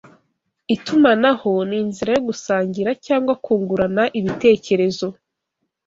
Itumanaho ninzira yo gusangira cyangwa kungurana ibitekerezo